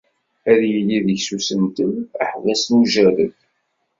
Ad yili deg-s usentel "aḥbas n ujerred".